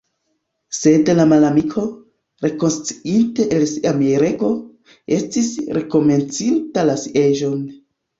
Sed la malamiko, rekonsciinte el sia mirego, estis rekomencinta la sieĝon.